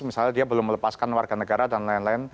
misalnya dia belum melepaskan warga negara dan lain lain